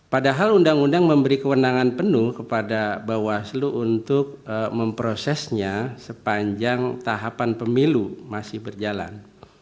padahal undang undang memberi kewenangan penuh kepada bawaslu untuk memprosesnya sepanjang tahapan pemilu masih berjalan